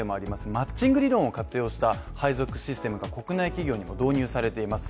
マッチング理論を活用した配属システムが国内企業にも導入されています。